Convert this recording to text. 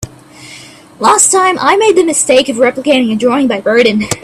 Last time, I made the mistake of replicating a drawing by Rodin.